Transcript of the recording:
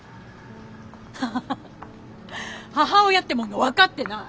ハハハ母親ってもんが分かってない。